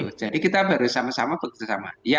jadi kita baru sama sama bekerja sama